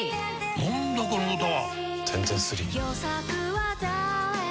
何だこの歌は！